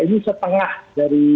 ini setengah dari